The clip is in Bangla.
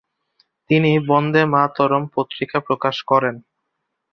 তিনি বন্দেমাতরম পত্রিকা প্রকাশ করেন।